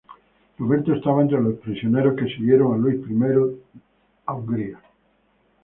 Roberto estaba entre los prisioneros que siguieron a Luis I a Hungría.